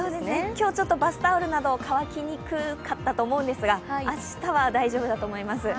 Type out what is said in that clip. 今日、バスタオルなど乾きにくかったと思うんですが明日は、大丈夫だと思います。